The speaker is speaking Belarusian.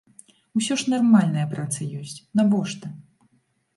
Усё ж нармальная праца ёсць, навошта.